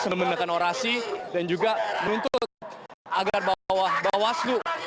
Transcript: memenuhkan orasi dan juga menuntut agar bawah bawah selu